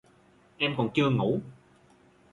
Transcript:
Em còn chưa ngủ